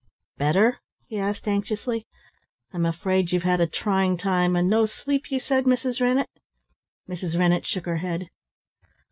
"Better?" he asked anxiously. "I'm afraid you've had a trying time, and no sleep you said, Mrs. Rennett?" Mrs. Rennett shook her head.